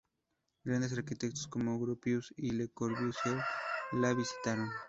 Grandes arquitectos como Gropius y Le Corbusier la visitaron.